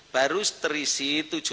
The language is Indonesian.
baru terisi tujuh ratus empat puluh sembilan